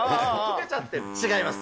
違います。